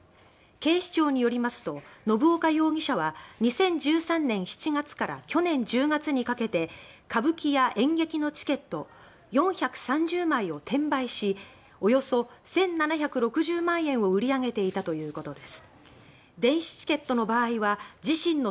警視庁によりますと信岡容疑者は２０１３年７月から去年１０月にかけて歌舞伎や演劇のチケット４３０枚を転売しおよそ１７６０万円を売り上げていたということです。